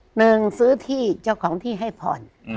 หนึ่งซื้อที่เจ้าของที่ให้ผ่อน